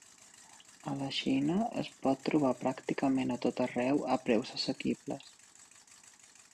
A la Xina es pot trobar pràcticament a tot arreu a preus assequibles.